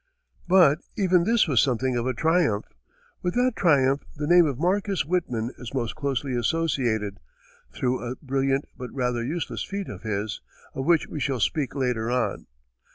But even this was something of a triumph. With that triumph, the name of Marcus Whitman is most closely associated, through a brilliant but rather useless feat of his, of which we shall speak later on.